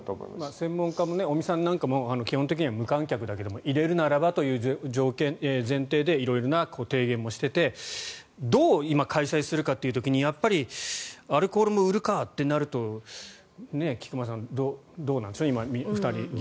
専門家の尾身さんも無観客だけど入れるならばという前提で色々な提言もしていてどう開催するかと言っている時にやっぱりアルコールも売るかとなると菊間さん、どうなんでしょう。